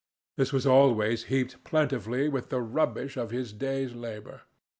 This was always heaped plentifully with the rubbish of his day's labor.